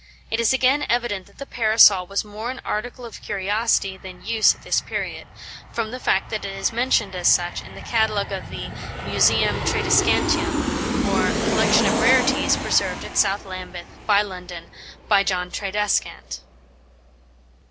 It is again evident that the Parasol was more an article of curiosity than use at this period, from the fact that it is mentioned as such in the catalogue of the "Museum Tradescantium, or Collection of Rarities, preserved at South Lambeth, by London, by John Tradescant."